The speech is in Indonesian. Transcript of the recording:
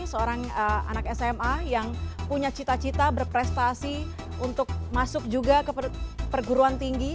seorang anak sma yang punya cita cita berprestasi untuk masuk juga ke perguruan tinggi